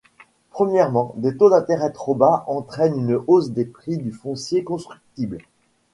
Premièrement, des taux d'intérêt trop bas entraînent une hausse des prix du foncier constructible.